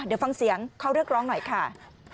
เดี๋ยวฟังเสียงเขาเรียกร้องหน่อยค่ะ